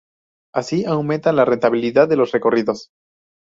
Así aumentan la rentabilidad de los recorridos.